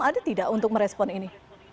ada tidak untuk merespon ini